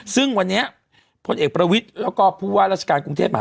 ซึ่งวันนี้พลเอกประวิทย์แล้วก็ผู้ว่าราชการกรุงเทพมหานคร